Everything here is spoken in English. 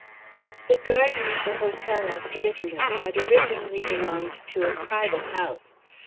The garden of the hotel at Sydenham had originally belonged to a private house.